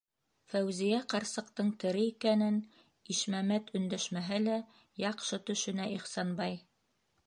Фәүзиә ҡарсыҡтың тере икәнен, Ишмәмәт өндәшмәһә лә, яҡшы төшөнә Ихсанбай!